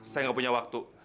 saya gak punya waktu